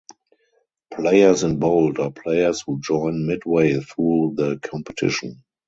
Players in bold are players who join midway through the competition.